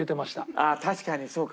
ああ確かにそうか。